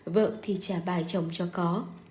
vợ thì trả bài chồng cho có